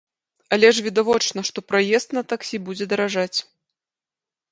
Але ж відавочна, што праезд на таксі будзе даражаць.